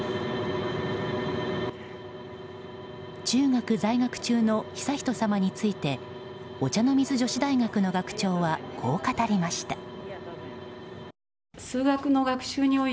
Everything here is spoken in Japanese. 中学在学中の悠仁さまについてお茶の水女子大学の学長はこう語りました。